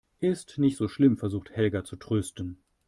Ist nicht so schlimm, versucht Helga zu trösten.